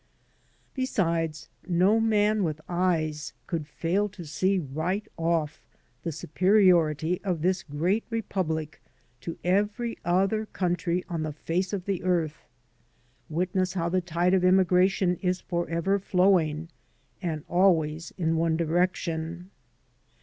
Besides, no man with eyes could fail to see right off the superiority of this great Republic to every other country on the face of the earth. Witness how the tide of immigration is forever flowing — and always in one direction.